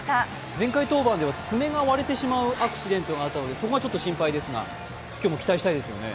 前回登板では爪が割れてしまうアクシデントがありましたがそこはちょっと心配ですが今日も期待したいですね。